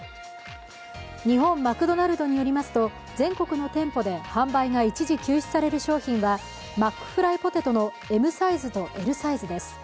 日本マクドナルドによりますと、全国の店舗で販売が一時休止される商品はマックフライポテトのＭサイズとＬサイズです。